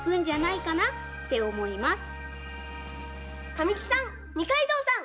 神木さん二階堂さん